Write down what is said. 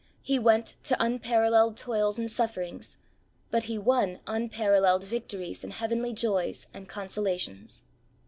He went to unparalleled toils and sufferings, but he won unparalleled victories and heavenly joys and con solations.